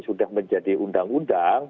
sudah menjadi undang undang